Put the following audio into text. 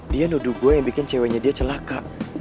dia nudu gua yang bikin ceweknya dia celaka